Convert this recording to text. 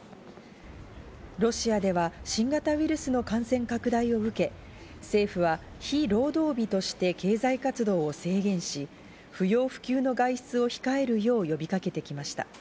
ロシアでは新型コロナウイルスの感染拡大を受け、政府は非労働日として経済活動を制限し不要不急の外出を控えるよう呼びかけてきました。